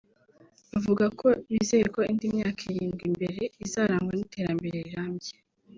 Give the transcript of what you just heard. bavuga ko bizeye ko indi myaka irindwi imbere izarangwa n’iterambere rirambye